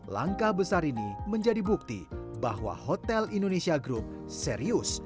langkah besar ini menjadi bukti bahwa hotel indonesia group serius